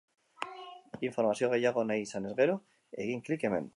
Informazio gehiago nahi izanez gero, egin klik hemen.